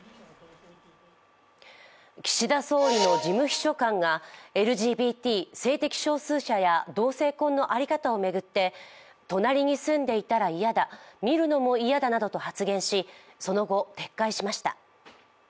岸田総理の事務秘書官がＬＧＢＴ＝性的少数者や同性婚の在り方を巡って隣に住んでいたら嫌だ、見るのも嫌だなどと発言し、その後撤回しました。